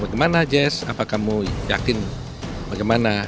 gimana jess apa kamu yakin bagaimana